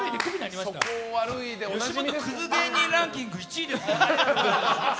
吉本クズ芸人ランキング１位ですから。